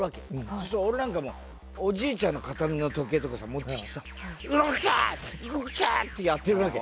そうすると俺なんかもおじいちゃんの形見の時計とか持ってきてさ「動け動け！」ってやってるわけ。